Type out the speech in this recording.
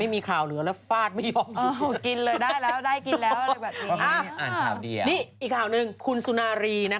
อีกข่าวหนึ่งคุณสุนารี